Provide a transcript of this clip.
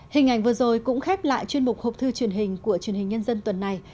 hình ảnh vừa rồi cũng khép lại chuyên mục hộp thư truyền hình của truyền hình nhân dân tuần này